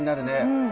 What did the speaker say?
うん。